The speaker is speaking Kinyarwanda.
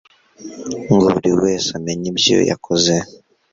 ngo buri wese amenye ibyo yakoze